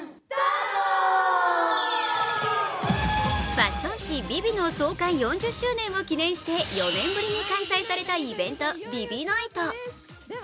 ファッション誌「ＶｉＶｉ」の創刊４０周年を記念して４年ぶりに開催されたイベント、「ＶｉＶｉＮｉｇｈｔ」。